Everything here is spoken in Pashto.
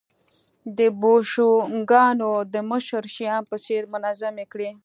د بوشونګانو د مشر شیام په څېر منظمې کړې